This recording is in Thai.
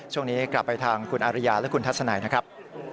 ช่วงนี้กลับไปทางคุณอาริยาและคุณทัศนัยนะครับ